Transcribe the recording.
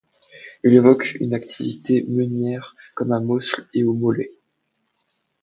Il évoque une activité meunière comme à Mosles et au Molay.